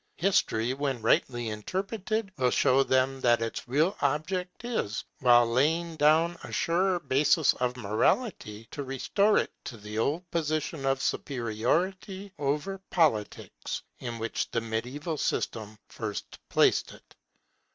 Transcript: History, when rightly interpreted, will show them that its real object is, while laying down a surer basis for Morality, to restore it to the old position of superiority over Politics in which the mediaeval system first placed it.